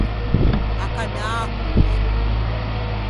A cannâ a coa.